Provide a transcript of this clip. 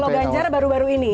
kalau ganjar baru baru ini